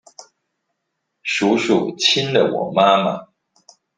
叔叔親了我媽媽